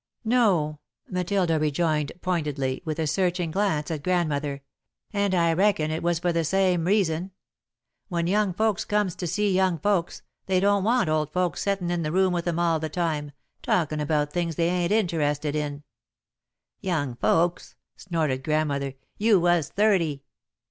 "No," Matilda rejoined, pointedly, with a searching glance at Grandmother, "and I reckon it was for the same reason. When young folks comes to see young folks, they don't want old folks settin' in the room with 'em all the time, talkin' about things they ain't interested in." "Young folks!" snorted Grandmother. "You was thirty!"